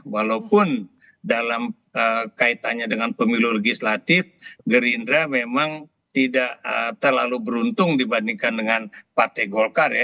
walaupun dalam kaitannya dengan pemilu legislatif gerindra memang tidak terlalu beruntung dibandingkan dengan partai golkar ya